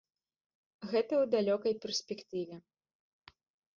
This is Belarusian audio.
Гэта ў далёкай перспектыве.